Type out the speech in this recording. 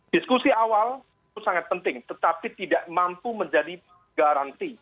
diskusi awal itu sangat penting tetapi tidak mampu menjadi garanti